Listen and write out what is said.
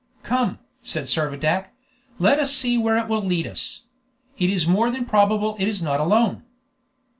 "Come," said Servadac; "let us see where it will lead us; it is more than probable it is not alone."